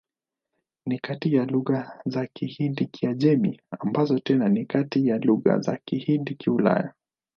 Ni kati ya lugha za Kihindi-Kiajemi, ambazo tena ni kati ya lugha za Kihindi-Kiulaya.